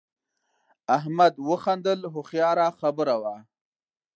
احمد وخندل هوښیاره خبره وه.